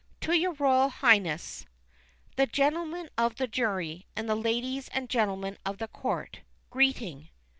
367 To your Royal Highness^ tlie gentlemen of tlie jury^ and the ladies and gentlemen of the courts greeting.